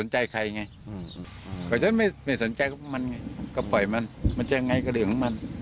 เพราะฉะนั้นไม่สนใจมันก็ปล่อยมันมันจะยังไงก็เรื่องของมัน